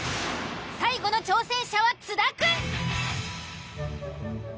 最後の挑戦者は津田くん。